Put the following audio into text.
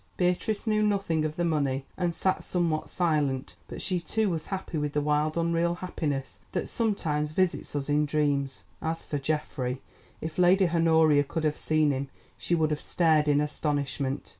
Beatrice knew nothing of the money and sat somewhat silent, but she too was happy with the wild unreal happiness that sometimes visits us in dreams. As for Geoffrey, if Lady Honoria could have seen him she would have stared in astonishment.